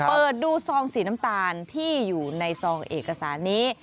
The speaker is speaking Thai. เปิดดูซองสีน้ำตาลที่อยู่ในซองเอกสารนี้